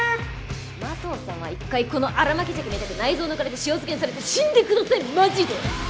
麻藤さんは一回この新巻鮭みたく内臓抜かれて塩漬けにされて死んでくださいマジで！